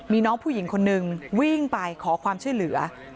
มีน้องผู้หญิงคนนึงวิ่งไปขอความช่วยเหลือ